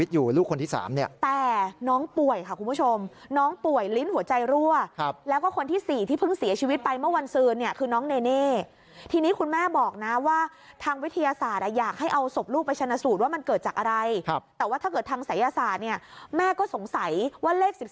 แต่ว่าถ้าเกิดทางสายอาสารแม่ก็สงสัยว่าเลข๑๔